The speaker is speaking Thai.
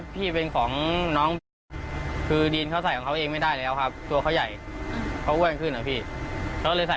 พี่สำึกเจอว่าเข้าสนิทสนิทสนิทกันไหมทำไมถึงโชบจังแสบนั้น